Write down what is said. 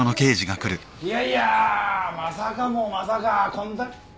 いやいやまさかもまさか。